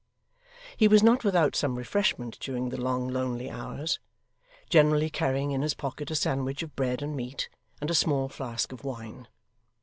He was not without some refreshment during the long lonely hours; generally carrying in his pocket a sandwich of bread and meat, and a small flask of wine.